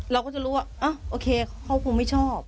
เราก็จะรู้ว่าโอเคเขาคงไม่ชอบ